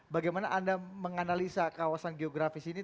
bagaimana anda menganalisa kawasan geografis ini